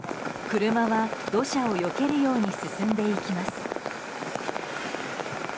車は土砂をよけるように進んでいきます。